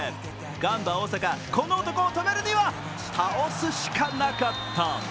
ガンバ大阪、この男を止めるには倒すしかなかった。